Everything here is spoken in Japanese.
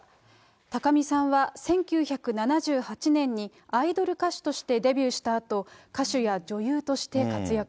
高見さんは１９７８年にアイドル歌手としてデビューしたあと、歌手や女優として活躍。